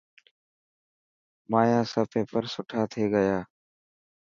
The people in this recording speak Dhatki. مانيا سڀ پيپر سٺا ٿي گيا.